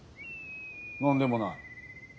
何でもない。